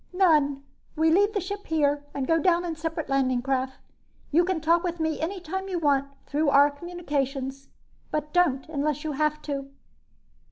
"None. We leave the ship here and go down in separate landing craft. You can talk with me any time you want to through our communications, but don't unless you have to."